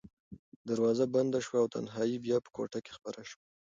دروازه بنده شوه او تنهایي بیا په کوټه کې خپره شوه.